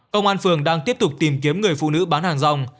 công an phường đang tiếp tục tìm kiếm người phụ nữ bán hàng rong